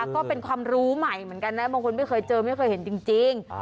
ก็เป็นความรู้ใหม่เหมือนกันนะบางคนไม่เคยเจอไม่เคยเห็นจริง